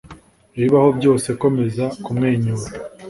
Ibibaho byose, komeza kumwenyura.